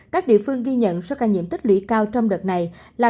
các địa phương ghi nhận số ca nhiễm tích lũy cao trong đợt này là